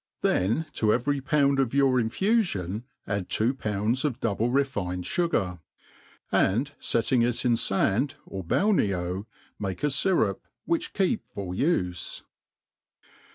Thqn to every pound of your infufion add two sounds of double refined fugar j and fetting k in fand, or bal nco, make a fyrup, which keep for ufe.